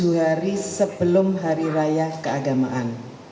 tujuh hari sebelum hari raya keagamaan